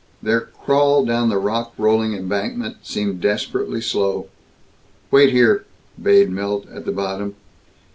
Their crawl down the rock rolling embankment seemed desperately slow. "Wait here," bade Milt, at the bottom.